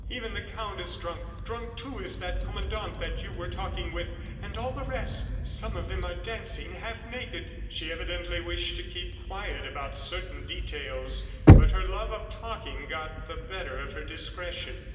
Even the Count is drunk; drunk, too, is that Commandant that you were talking with, and all the rest. ... Some of them are dancing half naked." She evidently wished to keep quiet about certain details, but her love of talking got the better of her discretion.